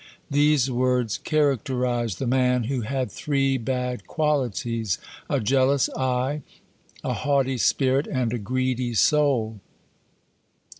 These words characterize the man, who had three bad qualities: a jealous eye, a haughty spirit, and a greedy soul.